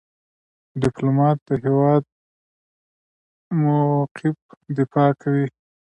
ډيپلومات د هیواد موقف دفاع کوي.